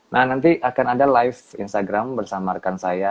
nah nanti akan ada live instagram bersama rekan saya